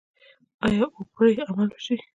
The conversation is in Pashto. آیا او پرې عمل وشي؟